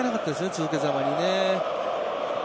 続けざまにね。